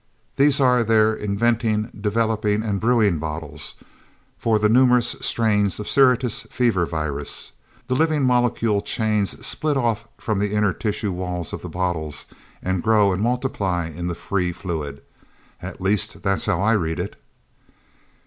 These are their inventing, developing and brewing bottles for the numerous strains of Syrtis Fever virus. The living molecule chains split off from the inner tissue walls of the bottles, and grow and multiply in the free fluid. At least, that's how I read it."